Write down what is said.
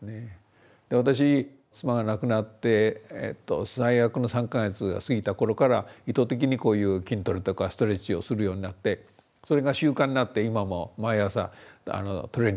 私妻が亡くなって最悪の３か月が過ぎた頃から意図的にこういう筋トレとかストレッチをするようになってそれが習慣になって今も毎朝トレーニングしてるんですけどね。